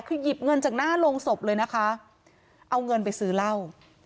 คือหยิบเงินจากหน้าโรงศพเลยนะคะเอาเงินไปซื้อเหล้า